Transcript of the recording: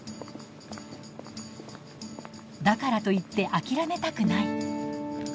だからといって諦めたくない。